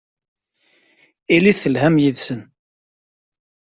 Ilit telham yid-sent.